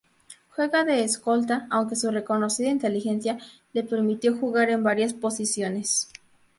Juega de "escolta", aunque su reconocida inteligencia le permitió jugar en varias posiciones.